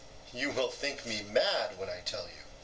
EUTHYPHRO: You will think me mad when I tell you.